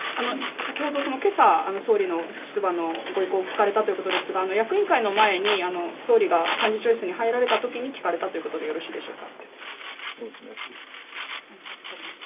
先ほどけさ総理の不出馬のご報告を聞かれたということですが役員会の前に総理が幹事長室に入られたときに聞かれたということでよろしいでしょうか。